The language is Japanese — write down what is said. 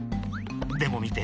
でもみて。